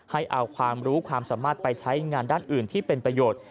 ให้เอาความรู้ความสามารถไปใช้งานด้านอื่นที่เป็นประโยชน์